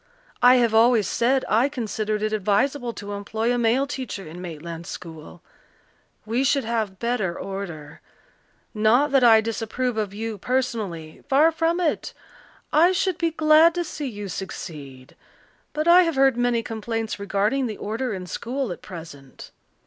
I have always said I considered it advisable to employ a male teacher in Maitland school. We should have better order. Not that I disapprove of you personally far from it. I should be glad to see you succeed. But I have heard many complaints regarding the order in school at present."